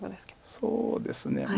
そうですねまあ